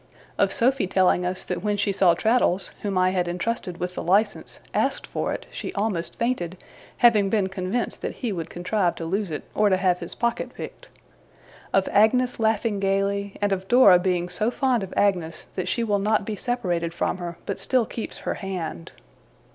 Of Sophy telling us that when she saw Traddles (whom I had entrusted with the licence) asked for it, she almost fainted, having been convinced that he would contrive to lose it, or to have his pocket picked. Of Agnes laughing gaily; and of Dora being so fond of Agnes that she will not be separated from her, but still keeps her hand.